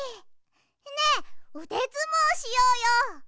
ねえうでずもうしようよ！